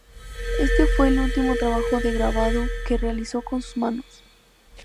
Este fue el último trabajo de grabado que realizó con sus manos.